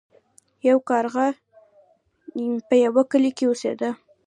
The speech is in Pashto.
یو کارغه په یوه کلي کې اوسیده.